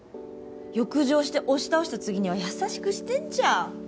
欲情して押し倒した次には優しくしてんじゃん！